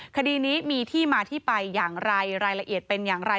คดีนี้มีที่มาที่ไปอย่างไรรายละเอียดเป็นอย่างไร